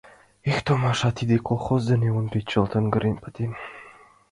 Эх, томаша, тиде колхоз дене Ондрий чылт аҥырген пытен.